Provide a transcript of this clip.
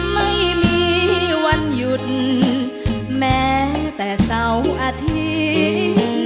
ไม่มีวันหยุดแม้แต่เสาร์อาทิตย์